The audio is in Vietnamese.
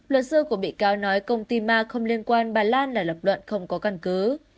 luật sư của bị cáo nói công ty ma không liên quan bà lan là lập luận không có căn cứ